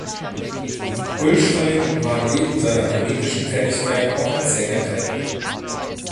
Ulstein war neben seiner politischen Tätigkeit auch als Sänger tätig.